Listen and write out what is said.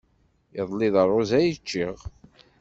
Iḍelli d rruẓ ay ččiɣ.